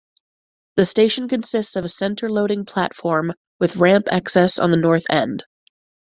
The station consists of a center-loading platform with ramp access on the North end.